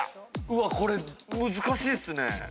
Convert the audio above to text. うわっこれ難しいっすね。